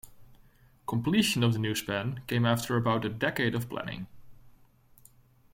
Completion of the new span came after about a decade of planning.